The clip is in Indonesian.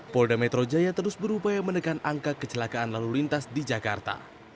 polda metro jaya terus berupaya menekan angka kecelakaan lalu lintas di jakarta